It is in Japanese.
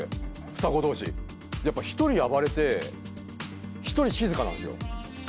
やっぱ１人暴れて１人静かなんですよ。